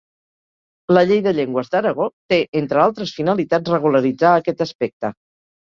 La llei de llengües d'Aragó té entre altres finalitats regularitzar aquest aspecte.